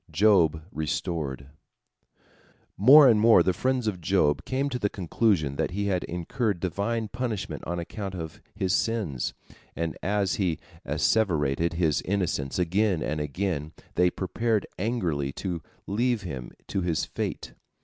JOB RESTORED More and more the friends of Job came to the conclusion that he had incurred Divine punishment on account of his sins, and as he asseverated his innocence again and again, they prepared angrily to leave him to his fate.